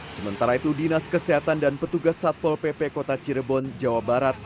sementara itu dinas kesehatan dan petugas satpol pp kota cirebon jawa barat